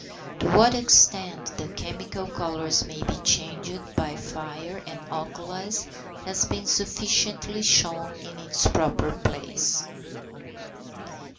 To what extent the chemical colours may be changed by fire and alkalis, has been sufficiently shown in its proper place.